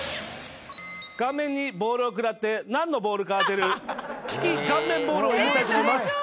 顔面にボールを食らって何のボールか当てる利き顔面ボールをやりたいと思います。